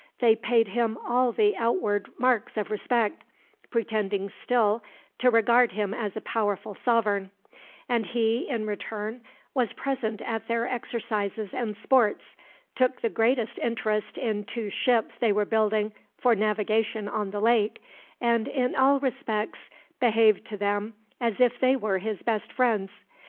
They paid him all the outward marks of respect, pretending still to regard him as a powerful sovereign; and he, in return, was present at their exercises and sports, took the greatest interest in two ships they were building for navigation on the lake, and in all respects behaved to them as if they were his best friends.